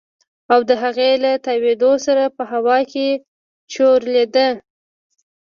او د هغې له تاوېدو سره په هوا کښې چورلېدل.